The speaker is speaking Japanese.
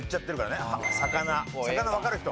魚わかる人？